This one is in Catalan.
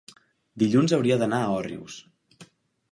dilluns hauria d'anar a Òrrius.